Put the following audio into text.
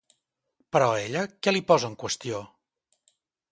Però ella què li posa en qüestió?